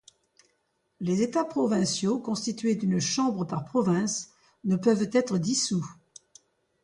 Les États provinciaux, constitués d'une chambre par province, ne peuvent être dissous.